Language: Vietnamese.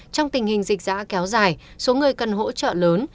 trong tình hình dịch giã kéo dài số người cần hỗ trợ lớn